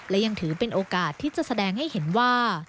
และยังถือเป็นโอกาสที่จะแสดงให้เห็นว่า